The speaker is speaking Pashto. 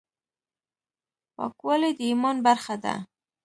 پاکوالی د ایمان برخه ده.